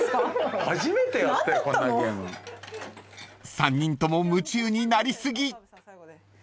［３人とも夢中になり過ぎ］